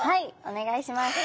お願いします。